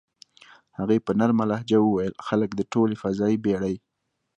هغې په نرمه لهجه وویل: "خلک د ټولې فضايي بېړۍ.